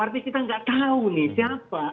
artinya kita nggak tahu nih siapa